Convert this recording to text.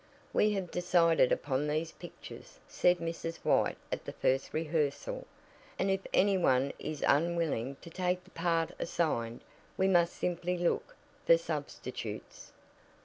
"We have decided upon these pictures," said Mrs. White at the first rehearsal, "and if any one is unwilling to take the part assigned we must simply look for substitutes."